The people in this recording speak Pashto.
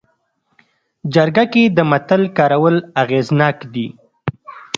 جرګه کې د متل کارول اغېزناک دي